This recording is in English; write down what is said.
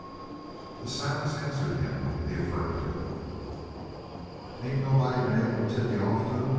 The silence answered him in the affirmative. "Ain't nobody been able to tip you off to him?"